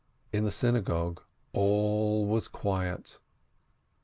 In the synagogue all was quiet.